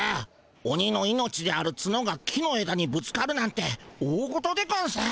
オニの命であるツノが木のえだにぶつかるなんておおごとでゴンス。